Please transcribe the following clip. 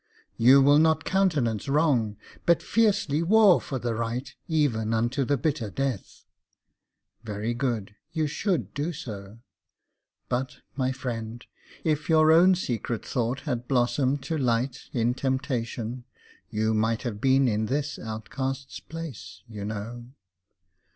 "You will not countenance wrong, but fiercely war for the right Even unto the bitter death." Very good, you should do so, But, my friend, if your own secret thought had blossomed to light In temptation, you might have been in this outcast's place, you know.